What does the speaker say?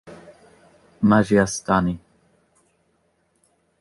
Maijiasitini.